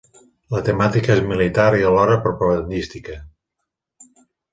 La temàtica és militar i alhora propagandística.